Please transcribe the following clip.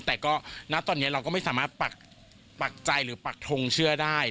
แต่ก็ณตอนนี้เราก็ไม่สามารถปักใจหรือปักทงเชื่อได้